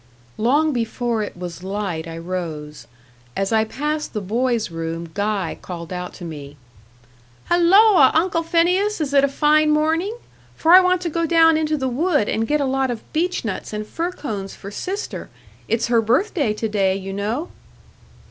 Long before it was light I rose. As I passed the boy's room Guy called out to me: "Halloa! Uncle Phineas, is it a fine morning? for I want to go down into the wood and get a lot of beech nuts and fir cones for sister. It's her birthday to day, you know."